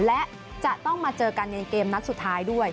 และเจอกันในเกมนักสุดท้ายด้วย